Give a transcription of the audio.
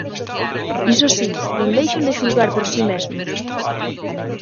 Iso si, non deixen de xulgar por si mesmos.